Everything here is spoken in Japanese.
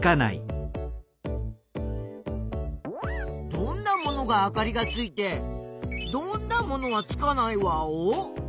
どんなものがあかりがついてどんなものはつかないワオ？